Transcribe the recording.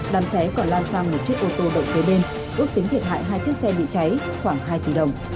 đàm cháy còn lan xăng một chiếc ô tô đậu phế bên ước tính thiệt hại hai chiếc xe bị cháy khoảng hai tỷ đồng